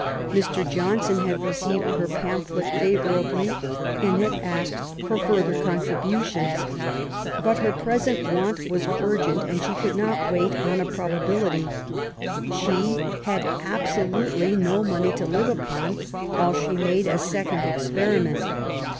Mr. Johnson had received her pamphlet favourably, and had asked for further contributions. But her present want was urgent, and she could not wait on a probability. She had abso lutely no money to live upon while she made a second experiment.